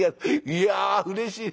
いやうれしい。